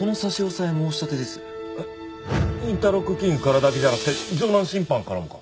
インターロック金融からだけじゃなくて城南信販からもか？